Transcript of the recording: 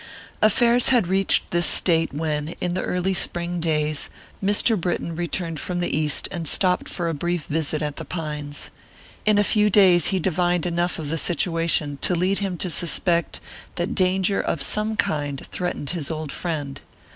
Affairs had reached this state when, with the early spring days, Mr. Britton returned from the East and stopped for a brief visit at The Pines. In a few days he divined enough of the situation to lead him to suspect that danger of some kind threatened his old friend.